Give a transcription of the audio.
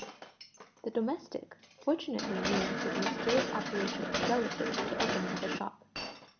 The domestic fortunately knew the mysterious operations relative to the opening of a shop.